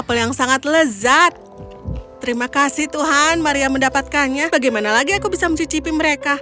apel yang sangat lezat terima kasih tuhan maria mendapatkannya bagaimana lagi aku bisa mencicipi mereka